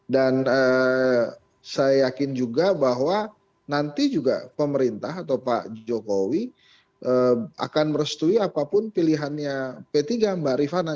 dan saya yakin juga bahwa nanti juga pemerintah atau pak jokowi akan merestui apapun pilihannya p tiga mbak rifana